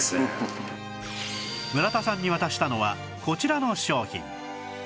村田さんに渡したのはこちらの商品